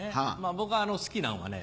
僕好きなんはね